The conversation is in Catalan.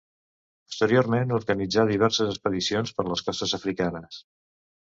Posteriorment organitzà diverses expedicions per les costes africanes.